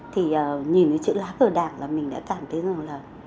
thì nhìn thấy chữ lá cờ đảng là mình đã cảm thấy rằng là